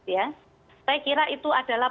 ya saya kira itu adalah